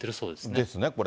ですね、これ。